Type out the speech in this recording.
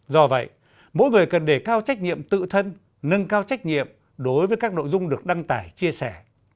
do vậy mỗi người cần đề cao trách nhiệm tự thân nâng cao trách nhiệm đối với các nội dung được đăng tải chia sẻ